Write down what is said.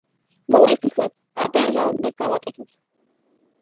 მოვიფიქროთ, აბა, რა უნდა გავაკეთოთ.